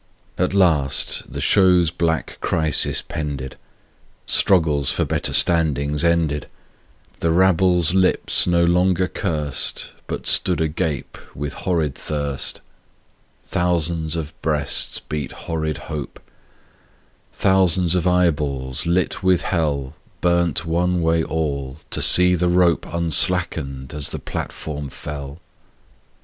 At last, the show's black crisis pended; Struggles for better standings ended; The rabble's lips no longer curst, But stood agape with horrid thirst; Thousands of breasts beat horrid hope; Thousands of eyeballs, lit with hell, Burnt one way all, to see the rope Unslacken as the platform fell.